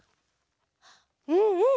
うんうん。